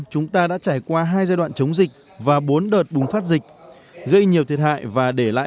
chúng ta đã trải qua hai giai đoạn chống dịch và bốn đợt bùng phát dịch gây nhiều thiệt hại và để lại